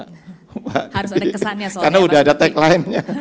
harus ada kesannya soalnya karena sudah ada tagline nya